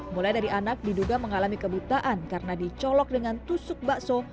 mulai dari anak diduga mengalami kebutaan karena dicolok dengan tusuk bakso